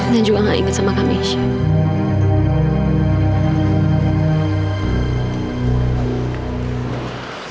dan juga gak inget sama kami syekh